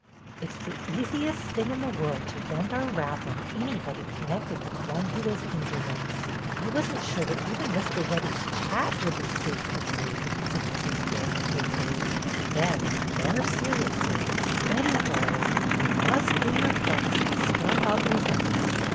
"It 's the easiest thing in the world to vent our wrath on anybody connected with one who has injured us. I was n't sure that even Mr. Webbie's cat would be safe from you," said Mrs. Baird, playfully; then, more seriously: "Betty, darling, you must do your best to stamp out resentment.